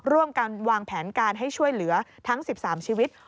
ร่วมกันวางแผนการให้ช่วยเหลือทั้ง๑๓ชีวิต